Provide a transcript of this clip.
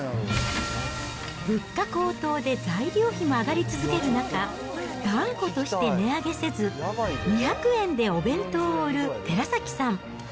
物価高騰で材料費も上がり続ける中、断固として値上げせず、２００円でお弁当を売る寺崎さん。